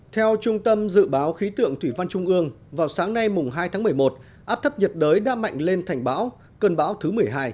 theo trung tâm dự báo khí tượng thủy văn trung ương vào sáng nay hai tháng một mươi một áp thấp nhiệt đới đã mạnh lên thành bão cơn bão thứ một mươi hai